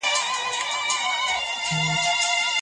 دې بريا هېواد ته په نړۍ کي لوړ مقام وباښه.